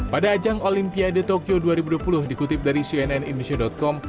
pada ajang olimpiade tokyo dua ribu dua puluh dikutip dari cnn indonesia com